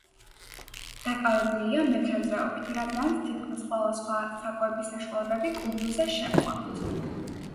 მოსახლეობის უმრავლესობა დაკავებულია მეთევზეობით, რადგანაც თითქმის ყველა სხვა საკვები საშუალებები კუნძულზე შემოაქვთ.